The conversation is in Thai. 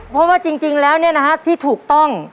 เพราะว่าจริงแล้วที่ถูกต้อง